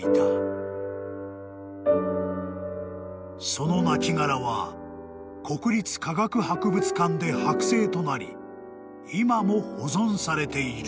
［その亡きがらは国立科学博物館で剥製となり今も保存されている］